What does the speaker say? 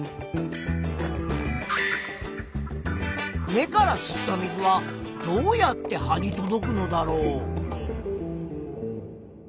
根から吸った水はどうやって葉に届くのだろう？